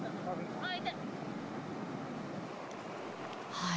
はい。